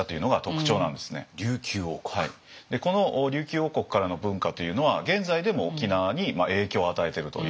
でこの琉球王国からの文化というのは現在でも沖縄に影響を与えているということなんですよ。